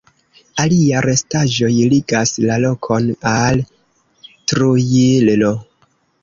Alia restaĵoj ligas la lokon al Trujillo.